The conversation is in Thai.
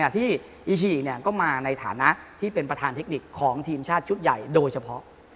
ที่อีชิก็มาในฐานะที่เป็นประธานเทคนิคของทีมชาติชุดใหญ่โดยเฉพาะ